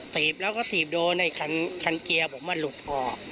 ถีบแล้วก็ถีบโดนไอ้คันเกียร์ผมมันหลุดออก